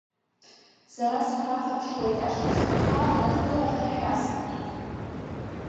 Сара схарахаԥшуа аетажқәа снырхалан, адкыларҭа ашә аасыртит.